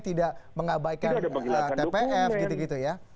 tidak mengabaikan tpf gitu gitu ya